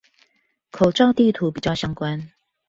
口罩地圖比較相關